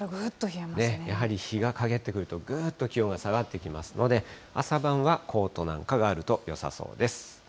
やはり日が陰ってくるとぐーっと気温が下がってきますので、朝晩はコートなんかがあるとよさそうです。